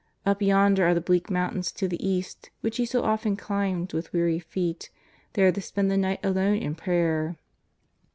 Up yonder are the bleak mountains to the east which He so often climbed with weary feet, there to spend the night alone in prayer.